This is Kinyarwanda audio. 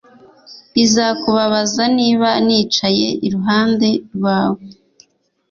Bizakubabaza niba nicaye iruhande rwawe